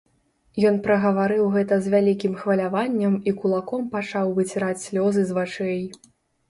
Ён прагаварыў гэта з вялікім хваляваннем і кулаком пачаў выціраць слёзы з вачэй.